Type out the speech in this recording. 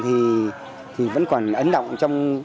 thì vẫn còn ấn động